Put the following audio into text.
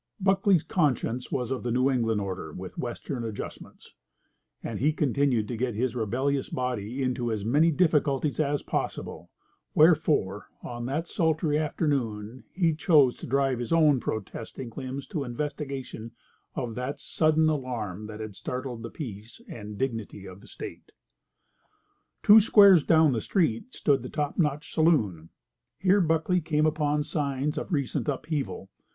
Buckley's conscience was of the New England order with Western adjustments, and he continued to get his rebellious body into as many difficulties as possible; wherefore, on that sultry afternoon he chose to drive his own protesting limbs to investigation of that sudden alarm that had startled the peace and dignity of the State. Two squares down the street stood the Top Notch Saloon. Here Buckley came upon signs of recent upheaval.